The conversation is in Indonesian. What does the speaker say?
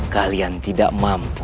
kalian tidak mampu